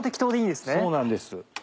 そうなんです。